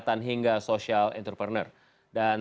tambah pinter bohong